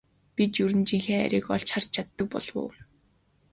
Бид ер нь жинхэнэ хайрыг олж харж чаддаг болов уу?